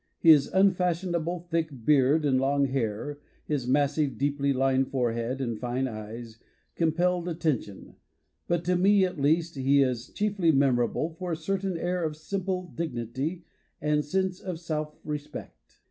His unfashionable thick beard and long hair, his massive, deeply lined forehead and fine eyes, compelled attention, but to me at least ix he is chiefly memorable for a certain air of simple dignity and sense of self respect.